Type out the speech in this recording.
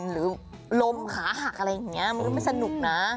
หรือลมขาหักอะไรอย่างนี้มันก็ไม่สนุกนะ